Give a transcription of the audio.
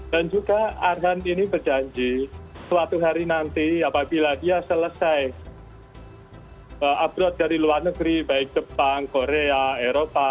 dan juga arhan ini berjanji suatu hari nanti apabila dia selesai upload dari luar negeri baik jepang korea eropa